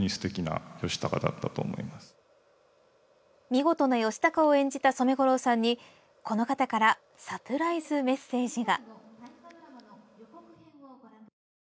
見事な義高を演じた染五郎さんにこの方からサプライズメッセージが。